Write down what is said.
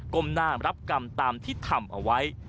มหน้ารับกรรมตามที่ทำเอาไว้